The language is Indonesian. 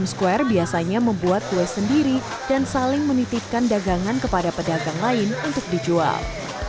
square biasanya membuat kue sendiri dan saling menitipkan dagangan kepada pedagang lain untuk dijual